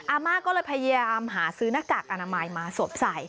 อาม่าก็เลยพยายามหาซื้อหน้ากากอนามัยมาสวบใส่